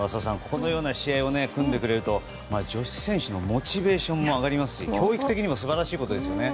このような試合を組んでくれると女子選手のモチベーションも上がりますし教育的にも素晴らしいことですね。